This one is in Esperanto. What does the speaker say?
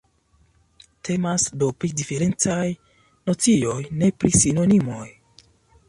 Temas do pri diferencaj nocioj, ne pri sinonimoj.